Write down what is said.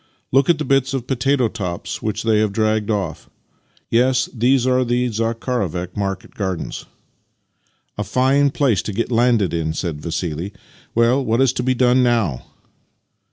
Look at the bits of potato tops which they have dragged off. Yes, these are the Zakharovek market gardens." "A fine place to get landed in!" said Vassili. " Well, what is to be done now?